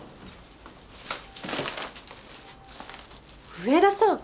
上田さん